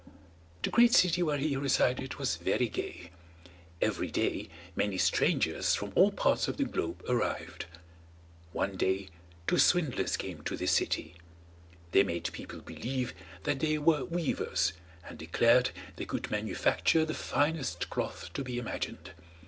The great city where he resided was very gay; every day many strangers from all parts of the globe arrived. One day two swindlers came to this city; they made people believe that they were weavers, and declared they could manufacture the finest cloth to be imagined.